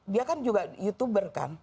dia kan juga youtuber kan